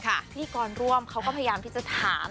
พิธีกรร่วมเขาก็พยายามที่จะถาม